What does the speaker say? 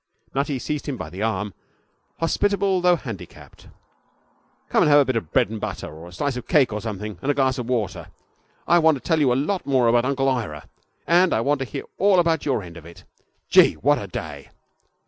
Nutty seized him by the arm, hospitable though handicapped. 'Come and have a bit of bread and butter, or a slice of cake or something, and a glass of water. I want to tell you a lot more about Uncle Ira, and I want to hear all about your end of it. Gee, what a day!'